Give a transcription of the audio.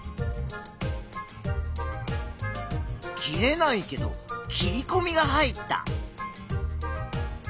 切れないけど切りこみが入った。